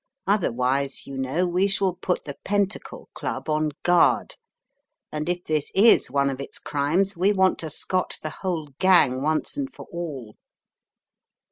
Otherwise, you know, we shall put the Fentacle Club on guard, and if this is one of its crimes, we want to scotch the whole gang once and for all.